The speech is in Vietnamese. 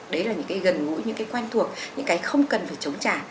đấy là những cái gần gũi những cái quen thuộc những cái không cần phải chống trả